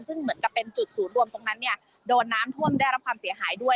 ซึ่งเหมือนกับเป็นจุดศูนย์รวมตรงนั้นเนี่ยโดนน้ำท่วมได้รับความเสียหายด้วย